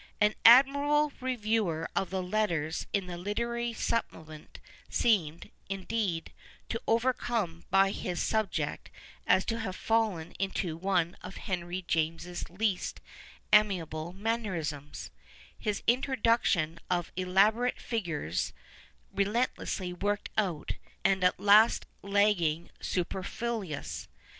An admirable reviewer of the Letters in the Literary Supplement seemed, indeed, so overcome by his subject as to have fallen into one of Henry James's least amiable mannerisms — his introduction of elaborate " figures," relentlessly worked out and at last lagging superlluous.